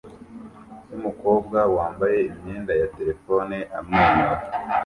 nkumukobwa wambaye imyenda ya terefone amwenyura